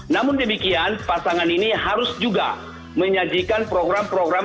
namun demikian pasangan ini harus juga menyajikan program program